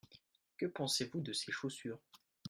Que pensez-vous de ces chaussures ?